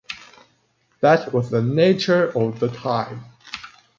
That was the nature of the time.